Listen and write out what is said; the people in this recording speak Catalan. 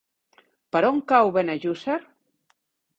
Per on cau Benejússer?